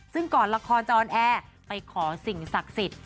ซึ่งก่อนละครจะออนแอร์ไปขอสิ่งศักดิ์สิทธิ์